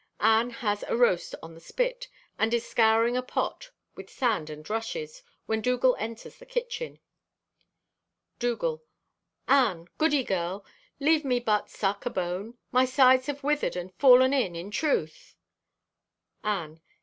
Anne has a roast on the spit, and is scouring a pot with sand and rushes, when Dougal enters the kitchen. Dougal.—"Anne, goody girl, leave me but suck a bone. My sides have withered and fallen in, in truth." _Anne.